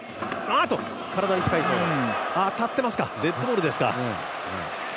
体に近いぞ、当たっていますか、デッドボールですか。